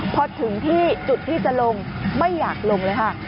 พอถึงที่จุดที่จะลงไม่อยากลงเลยค่ะ